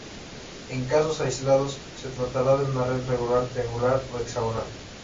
En casos aislados, se tratará de una red regular triangular o hexagonal.